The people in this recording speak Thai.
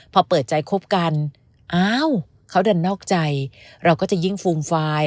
พอเปิดใจคบกันอ้าวเขาดันนอกใจเราก็จะยิ่งฟูมฟาย